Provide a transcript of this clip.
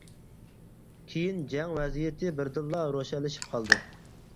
كېيىن جەڭ ۋەزىيىتى بىردىنلا روشەنلىشىپ قالدى.